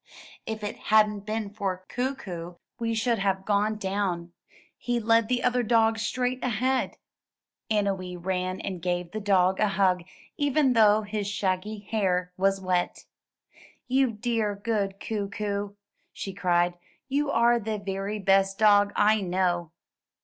''If it hadn't been for Kookoo we should have gone down; he led the other dogs straight ahead.'' Annowee ran and gave the dog a hug, even though his shaggy hair was wet. ''You dear, good Kookoo,'* she cried, "you are the very best dog I know!"